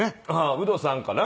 ウドさんかな。